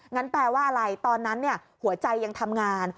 แปลว่าอะไรตอนนั้นหัวใจยังทำงาน